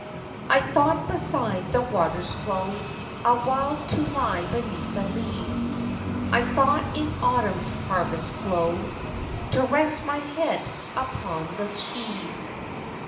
I thought beside the water's flow Awhile to lie beneath the leaves ; I thought in autumn's harvest glow To rest my head upon the sheaves.